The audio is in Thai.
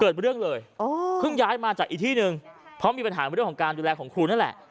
เกิดเรื่องเลยอ๋อเพิ่งย้ายมาจากอีกที่หนึ่งเพราะมีปัญหาเรื่องของการดูแลของครูนั่นแหละ